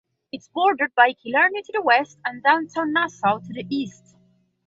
It is bordered by Killarney to the west and downtown Nassau to the east.